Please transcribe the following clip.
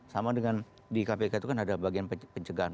sama dengan di kpk itu kan ada bagian pencegahan